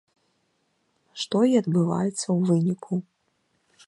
Што і адбываецца ў выніку.